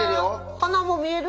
花も見える？